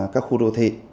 các khu đô thị